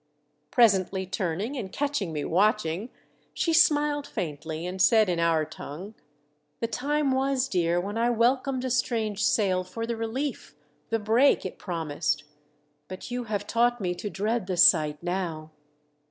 Presently turning and catching me watching she smiled faintly, and said in our tongue, "The time was, dear, when I welcomed a strange sail for the relief — the break — it promised. But you have taught me to dread the sight now."